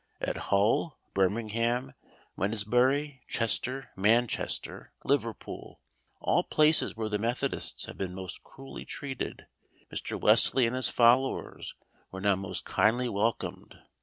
At Hull, Birmingham, Wednesbury, Chester, Manchester, Liverpool, all places where the Methodists had been most cruelly treated, Mr. Wesley and his followers were now most kindly welcomed.